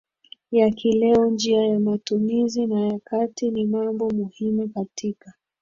ya kileo njia ya matumizi na ya kati ni mambo muhimu katika